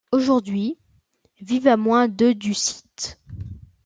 Aujourd'hui, vivent à moins de du site.